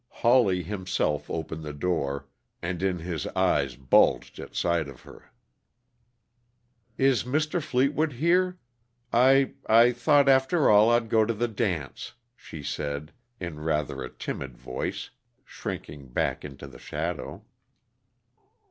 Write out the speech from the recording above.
Hawley himself opened the door, and in his eyes bulged at sight of her. "Is Mr. Fleetwood here? I I thought, after all, I'd go to the dance," she said, in rather a timid voice, shrinking back into the shadow.